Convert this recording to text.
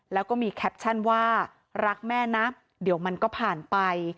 แล้วก็มีแคปชั่นว่ารักแม่นะเดี๋ยวมันก็ผ่านไป